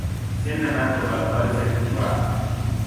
سن من دو برابر سن تو است.